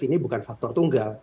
ini bukan faktor tunggal